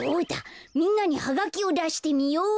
みんなにハガキをだしてみよっと。